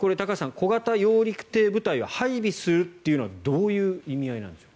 小型揚陸艇部隊を配備するというのはどういう意味合いなんでしょう。